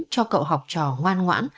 cho cậu học trò ngoan ngoãn